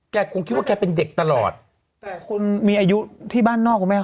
แกคงคิดว่าแกเป็นเด็กตลอดแบบคนมีอายุบ้านนอกไว้ใช่ไหม